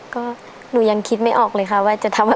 ก็หนูยังคิดไม่ออกเลยค่ะว่าจะทำให้